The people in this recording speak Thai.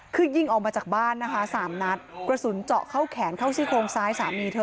คือยิงออกมาจากบ้านนะคะสามนัดกระสุนเจาะเข้าแขนเข้าซี่โครงซ้ายสามีเธอ